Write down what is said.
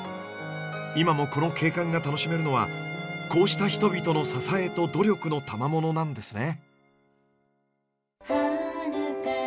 今もこの景観が楽しめるのはこうした人々の支えと努力のたまものなんですね。